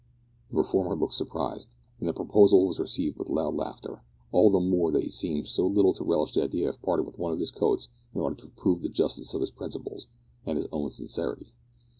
The reformer looked surprised, and the proposal was received with loud laughter; all the more that he seemed so little to relish the idea of parting with one of his coats in order to prove the justice of his principles, and his own sincerity.